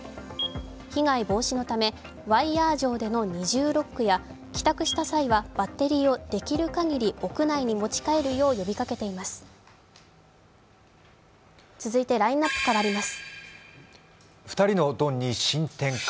被害防止のためワイヤー錠での二重ロックや帰宅した際はバッテリーをできる限り屋内に持ち帰るよう呼びかけています。